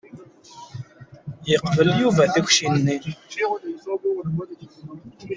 Yeqbel Yuba tikci-nni.